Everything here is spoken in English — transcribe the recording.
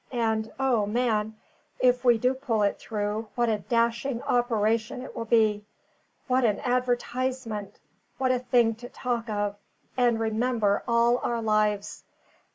And, O, man! if we do pull it through, what a dashing operation it will be! What an advertisement! what a thing to talk of, and remember all our lives!